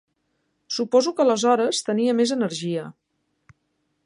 Suposo que, aleshores, tenia més energia.